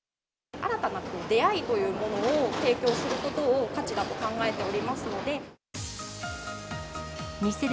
新たな出会いというものを提供することを価値だと考えておりますので。